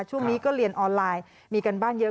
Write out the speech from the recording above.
ช่วงนี้ก็เรียนออนไลน์มีการบ้านเยอะ